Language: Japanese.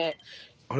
あれ？